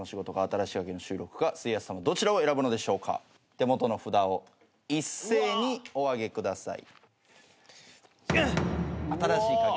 手元の札を一斉におあげください。